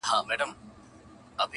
په جنګ وتلی د ټولي مځکي.!